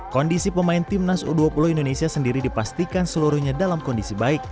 kondisi pemain timnas u dua puluh indonesia sendiri dipastikan seluruhnya dalam kondisi baik